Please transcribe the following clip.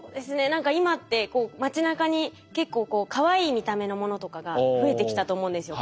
何か今って街なかに結構かわいい見た目のものとかが増えてきたと思うんですよ。